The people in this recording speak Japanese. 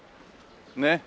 ねっ。